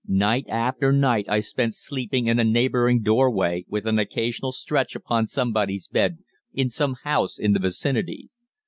Night after night I spent sleeping in a neighbouring doorway, with an occasional stretch upon somebody's bed in some house in the vicinity.